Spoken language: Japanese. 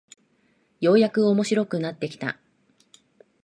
ようやく面白くなってきた